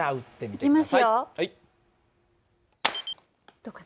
どうかな？